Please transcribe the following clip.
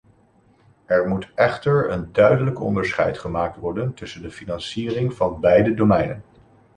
Er moet echter een duidelijk onderscheid gemaakt worden tussen de financiering van beide domeinen.